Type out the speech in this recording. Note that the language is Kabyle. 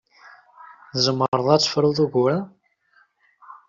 Tzemreḍ ad tefruḍ ugur-a?